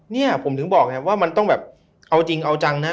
เนี่ยผมถึงบอกไงว่ามันต้องแบบเอาจริงเอาจังนะ